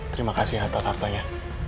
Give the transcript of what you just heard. terima kasih atas hartanya